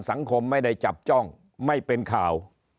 สังคมไม่ได้จับจ้องไม่เป็นข่าว